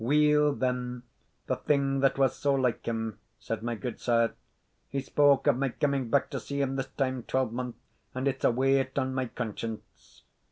"Well then, the thing that was so like him," said my gudesire; "he spoke of my coming back to see him this time twelvemonth, and it's a weight on my conscience."